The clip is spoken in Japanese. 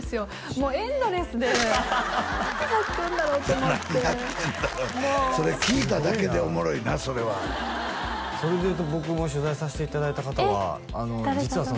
もうエンドレスで何やってんだろうと思って何やってんだろうってそれ聞いただけでおもろいなそれはそれで言うと僕も取材させていただいた方はえっ誰だろう？